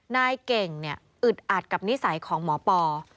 นายเก่งอึดอัดกับนิสัยของหมอปอ